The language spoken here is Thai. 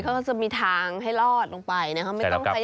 เขาก็จะมีทางให้รอดลงไปนะครับ